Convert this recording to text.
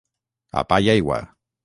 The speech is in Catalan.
A pa i aigua.